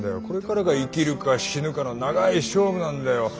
これからが生きるか死ぬかの長い勝負なんだよ。